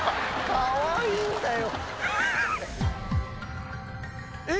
かわいいんだよ。